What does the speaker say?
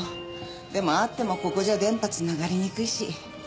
でもあってもここじゃ電波つながりにくいし。